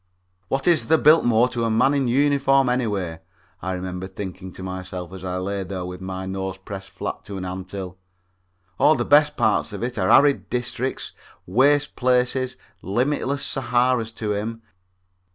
"What is the Biltmore to a man in uniform, anyway?" I remember thinking to myself as I lay there with my nose pressed flat to an ant hill, "all the best parts of it are arid districts, waste places, limitless Saharas to him.